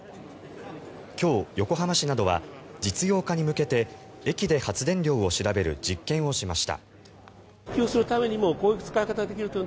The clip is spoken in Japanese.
今日、横浜市などは実用化に向けて駅で発電量を調べる実験をしました。